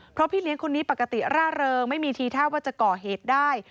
เพราะพี่เลี้ยงคนนี้ปกติร่าเริงไม่มีทีท่าว่าจะก่อเหตุได้